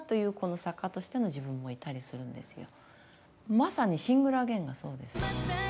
まさに「シングル・アゲイン」がそうですよね。